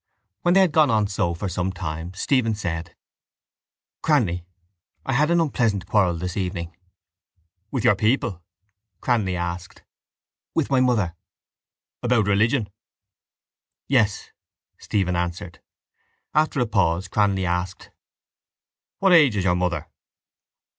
When they had gone on so for some time Stephen said: —Cranly, I had an unpleasant quarrel this evening. —With your people? Cranly asked. —With my mother. —About religion? —Yes, Stephen answered. After a pause Cranly asked: —What age is your mother?